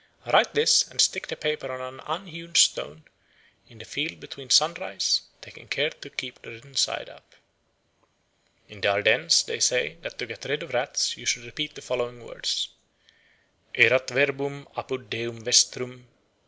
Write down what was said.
Write this, and stick the paper on an unhewn stone in the field before sunrise, taking care to keep the written side up." In the Ardennes they say that to get rid of rats you should repeat the following words: "_Erat verbum, apud Deum vestrum.